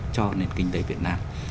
cho nền kinh tế việt nam